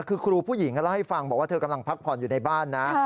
คือครูผู้หญิงก็เล่าให้ฟังบอกว่าเธอกำลังพักผ่อนอยู่ในบ้านนะ